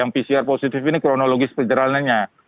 pcr positif ini kronologis penjelasannya